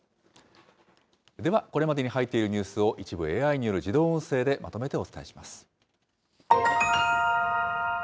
ではこれまでに入っているニュースを、一部ＡＩによる自動音声でまとめてお伝えします。